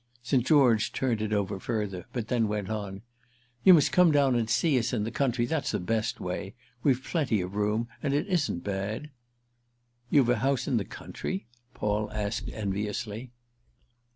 St. George turned it over further, but then went on: "You must come down and see us in the country, that's the best way; we've plenty of room, and it isn't bad." "You've a house in the country?" Paul asked enviously.